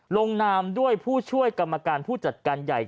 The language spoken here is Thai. ลงนามด้วยผู้ช่วยกรรมการผู้จัดการใหญ่